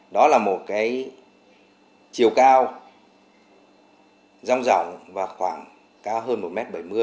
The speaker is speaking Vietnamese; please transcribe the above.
đó là một chiều cao rong rỏng và khoảng cao hơn một m bảy mươi